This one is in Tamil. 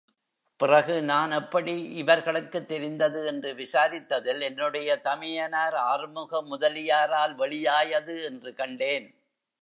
பிறகு நான் எப்படி இவர்களுக்குத் தெரிந்தது என்று விசாரித்ததில், என்னுடைய தமையனார் ஆறுமுக முதலியாரால் வெளியாயது என்று கண்டேன்.